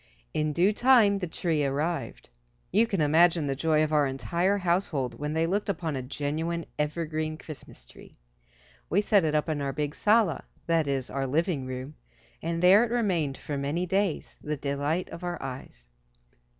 In due time the tree arrived. You can imagine the joy of our entire household when they looked upon a genuine, evergreen, Christmas tree. We set it up in our big "sala," that is our living room, and there it remained for many days, the delight of our eyes.